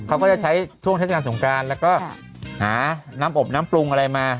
เขาก็จะใช้ช่วงเทศกาลสงการแล้วก็หาน้ำอบน้ำปรุงอะไรมา